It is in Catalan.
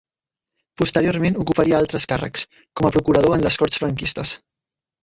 Posteriorment ocuparia altres càrrecs, com a procurador en les Corts franquistes.